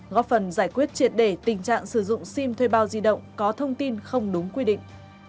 góp phần giải quyết triệt đề tình trạng sử dụng sim thuê bao di động có thông tin không đúng quy định